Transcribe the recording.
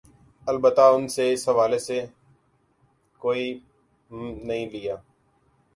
البتہ ان نے اس حوالہ سے کوئی م نہیں لیا